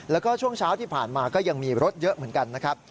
แล้วก็ช่วงเช้าที่ผ่านมาก็ยังมีรถเยอะเหมือนกันนะครับ